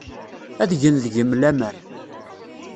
Ad gen deg-m laman.